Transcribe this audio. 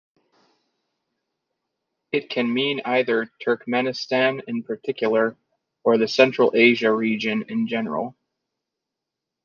It can mean either Turkmenistan in particular, or the Central Asia region in general.